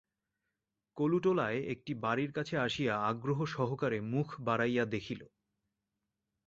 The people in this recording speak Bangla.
কলুটোলায় একটা বাড়ির কাছে আসিয়া আগ্রহসহকারে মুখ বাড়াইয়া দেখিল।